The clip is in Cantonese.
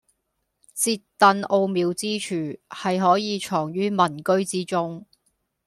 折凳奧妙之處，係可以藏於民居之中